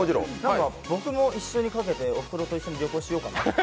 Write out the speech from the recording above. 僕も一緒にかけて、おふくろと一緒に旅行しようかな。